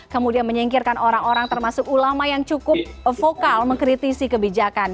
kemudian menyingkirkan orang orang termasuk ulama yang cukup vokal mengkritisi kebijakan